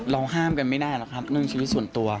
ห้ามกันไม่ได้หรอกครับเรื่องชีวิตส่วนตัว